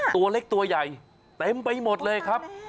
ตัวเล็กตัวใหญ่เต็มไปหมดเลยครับ